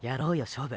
「勝負」！！